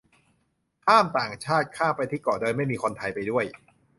ห้ามต่างชาติข้ามไปที่เกาะโดยไม่มีคนไทยไปด้วย